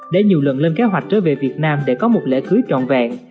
để nhiều lần lên kế hoạch trở về việt nam để có một lễ cưới tròn vẹn